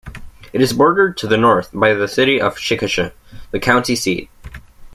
It is bordered to the north by the city of Chickasha, the county seat.